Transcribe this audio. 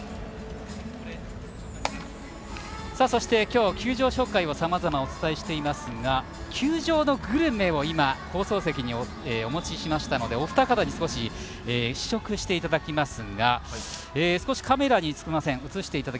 そして、今日、球場紹介をさまざまお届けしていますが球場のグルメを放送席にお持ちしましたので、お二方に少し試食していただきます。